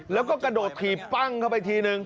แล้วก็กระโดดถีบปั้งเข้าไปทีนึง